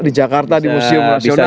di jakarta di museum nasional